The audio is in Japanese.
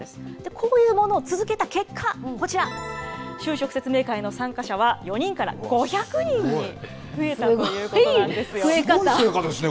こういうものを続けた結果、こちら、就職説明会の参加者は、４人から５００人に増えたということなんすごい増え方。